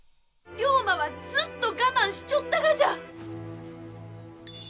龍馬はずっと我慢しちょったがじゃ！